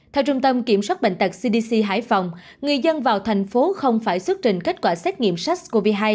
theo trung tâm kiểm soát bệnh tật cdc hải phòng người dân vào thành phố không phải xuất trình kết quả xét nghiệm sars cov hai